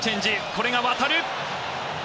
これが渡る。